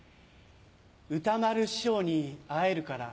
歌丸師匠に会えるから。